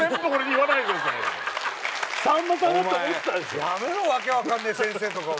お前やめろわけ分かんねえ先生とか。